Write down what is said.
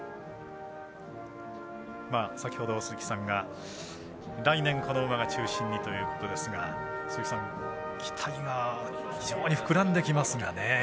先ほど鈴木さんが来年、この馬が中心にということですが鈴木さん期待が非常に膨らんできますね。